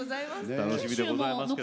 楽しみでございますけども。